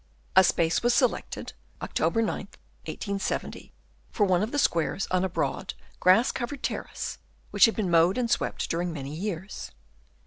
A space was selected (October 9th, 1870) for one of the squares on a broad, grass covered terrace, which had been mowed and swept during many years.